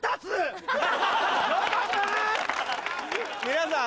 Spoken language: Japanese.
皆さん。